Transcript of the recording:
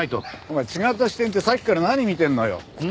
お前違った視点ってさっきから何見てんのよ？